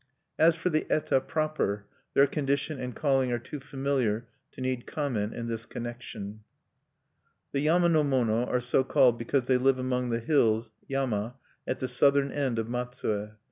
As for the eta proper, their condition and calling are too familiar to need comment in this connection. "The yama no mono are so called because they live among the hills (yama) at the southern end of Matsue.